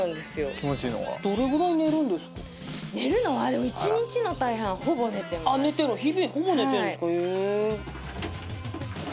気持ちいいのかな寝るのはでも１日の大半ほぼ寝てますああ寝てるの日々ほぼ寝てんですかええ